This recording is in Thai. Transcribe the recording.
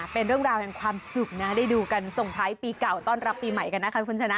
เป็นเรื่องราวแห่งความสุขนะได้ดูกันส่งท้ายปีเก่าต้อนรับปีใหม่กันนะคะคุณชนะ